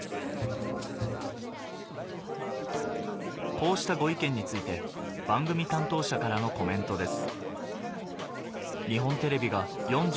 こうしたご意見について番組担当者からのコメントです